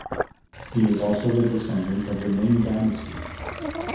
He is also the descendant of the Ming Dynasty.